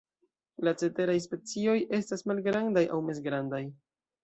La ceteraj specioj estas malgrandaj aŭ mezgrandaj.